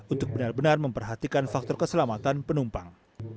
untuk benar benar memperhatikan faktor keselamatan penumpang